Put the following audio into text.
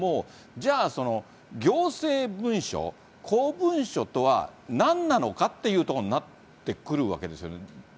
じゃあ、行政文書、公文書とはなんなのかというところになってくるわけですよね。